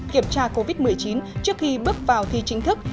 kiểm tra covid một mươi chín trước khi bước vào thi chính thức